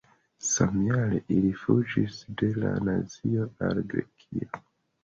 Samjare ili fuĝis de la nazioj al Grekio.